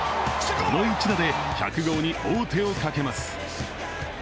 この一打で１００号に王手をかけます。